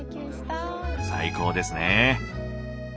最高ですね。